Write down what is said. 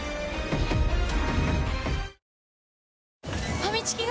ファミチキが！？